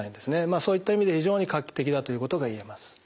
そういった意味で非常に画期的だということがいえます。